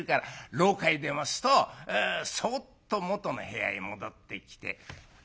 廊下へ出ますとそっともとの部屋へ戻ってきて。